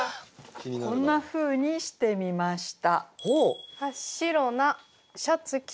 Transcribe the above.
こんなふうにしてみました。